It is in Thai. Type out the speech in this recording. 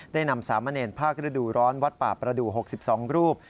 นำสามเณรภาคฤดูร้อนวัดป่าประดู๖๒รูป